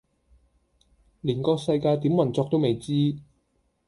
連個世界點運作都未知